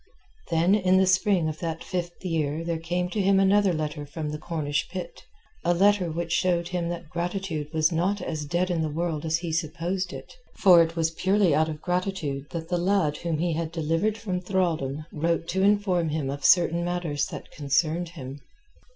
Then in the spring of that fifth year there came to him another letter from the Cornish Pitt, a letter which showed him that gratitude was not as dead in the world as he supposed it, for it was purely out of gratitude that the lad whom he had delivered from thraldom wrote to inform him of certain matters that concerned him.